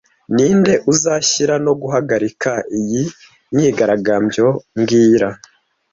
Ninde uzashyira no guhagarika iyi myigaragambyo mbwira